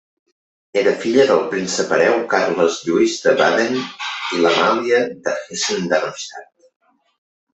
Era filla del príncep hereu Carles Lluís de Baden i d'Amàlia de Hessen-Darmstadt.